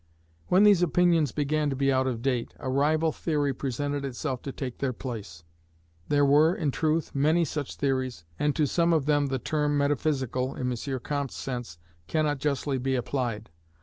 When these opinions began to be out of date, a rival theory presented itself to take their place. There were, in truth, many such theories, and to some of them the term metaphysical, in M. Comte's sense, cannot justly be applied.